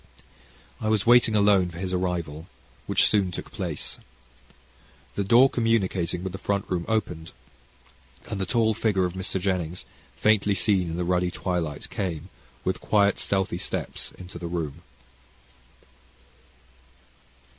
I was waiting alone for his arrival, which soon took place. The door communicating with the front room opened, and the tall figure of Mr. Jennings, faintly seen in the ruddy twilight, came, with quiet stealthy steps, into the room.